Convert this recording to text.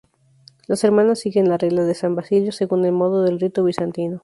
Las hermanas siguen la Regla de san Basilio, según el modo del rito bizantino.